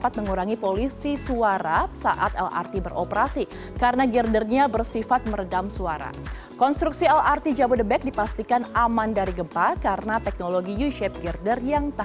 teknologi lain yang digunakan adalah konstruksi lrt jabodebek dilengkapi dengan teknologi u shape girdering